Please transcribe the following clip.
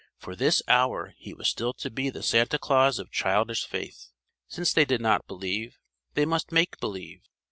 For this hour he was still to be the Santa Claus of childish faith. Since they did not believe, they must make believe!